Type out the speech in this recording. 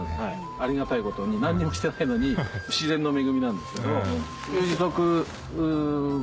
ありがたいことに何にもしてないのに自然の恵みなんですけど。